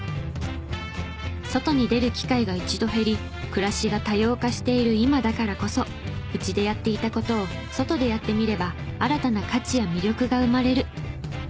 外に出る機会が一度減り暮らしが多様化している今だからこそ「うち」でやっていたことを「そと」でやってみれば新たな価値や魅力が生まれる。